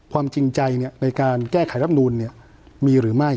ความจริงใจในการแก้ไขรับนูลมีหรือไม่